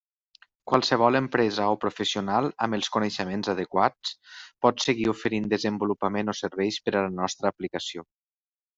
Qualsevol empresa o professional, amb els coneixements adequats, pot seguir oferint desenvolupament o serveis per a la nostra aplicació.